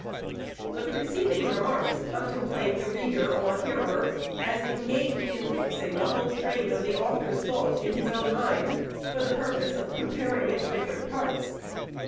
The preceding remarks contemplate the reader or hearer, as engaged in fixing the whole train of the author's thought in his own mind, for the purpose of comparing its different parts.